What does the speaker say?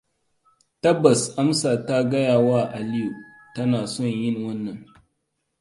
Tabbas Amsa ta gaya wa Aliyu tana son yin wannan.